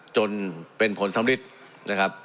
จนเป็นผลสำริดนะครับ